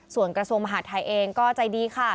ส่วนกระทรวงมหาดไทยเองก็ใจดีค่ะ